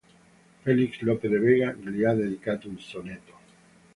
Félix Lope de Vega gli ha dedicato un sonetto.